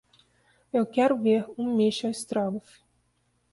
Eu quero ver o Michel Strogoff